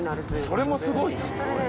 それもすごいな。